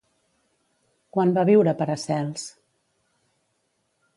Quan va viure Paracels?